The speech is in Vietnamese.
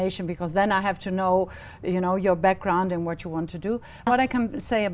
tôi biết các bạn thích trung tâm của việt nam